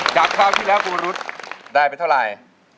จากคราวที่แล้วคุณวรุฒิได้ไปเท่าไหร่